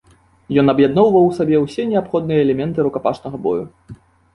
Ён аб'ядноўваў у сабе ўсе неабходныя элементы рукапашнага бою.